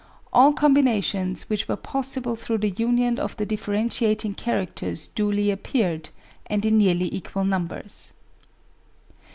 All combinations which were pos sible through the union of the differentiating characters duly appeared, and in nearly equal numbers.